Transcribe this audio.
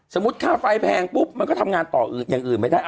ค่าไฟแพงปุ๊บมันก็ทำงานต่ออย่างอื่นไม่ได้